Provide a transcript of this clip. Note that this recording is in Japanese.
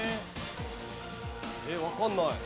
えっわかんない。